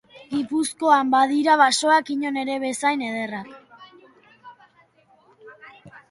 Gipuzkoan badira basoak inon ere bezain ederrak.